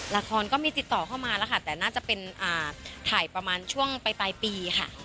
ละครก็มีติดต่อเข้ามาแล้วค่ะแต่น่าจะเป็นถ่ายประมาณช่วงปลายปีค่ะ